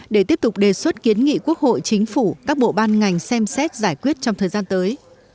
để tiếp tục đề xuất kiến nghị quốc hội chính phủ các bộ ban ngành xem xét giải quyết trong thời gian tới